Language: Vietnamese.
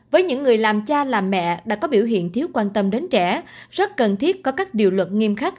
với những người làm cha làm mẹ đã có biểu hiện thiếu quan tâm đến trẻ rất cần thiết có các điều luật nghiêm khắc